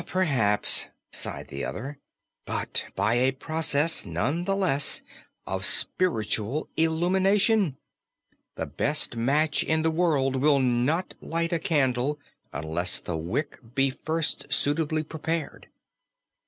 "Perhaps," sighed the other; "but by a process, none the less, of spiritual illumination. The best match in the world will not light a candle unless the wick be first suitably prepared."